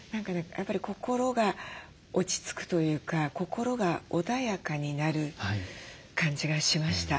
やっぱり心が落ち着くというか心が穏やかになる感じがしました。